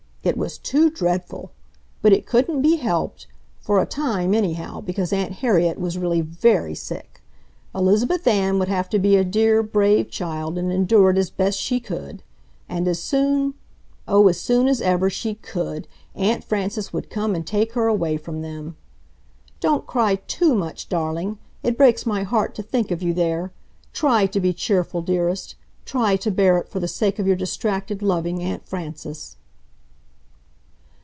It was too dreadful. But it couldn't be helped, for a time anyhow, because Aunt Harriet was really VERY sick. Elizabeth Ann would have to be a dear, brave child and endure it as best she could. And as soon ... oh, as soon as ever she COULD, Aunt Frances would come and take her away from them. "Don't cry TOO much, darling ... it breaks my heart to think of you there! TRY to be cheerful, dearest! TRY to bear it for the sake of your distracted, loving Aunt Frances."